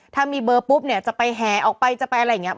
ถ้ามีเบอร์ปุ๊บเนี่ยจะไปแห่ออกไปจะไปอะไรอย่างนี้